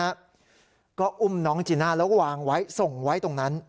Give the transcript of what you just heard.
แล้วก็อุ้มน้องจีน่าแล้ววางไว้ส่งไว้ตรงนั้น